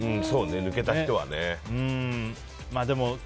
そうね、抜けた人はね。